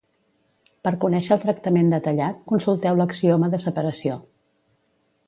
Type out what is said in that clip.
Per conèixer el tractament detallat, consulteu l'axioma de separació.